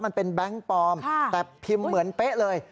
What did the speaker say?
แบงค์ปลอมแต่พิมพ์เหมือนเป๊ะเลย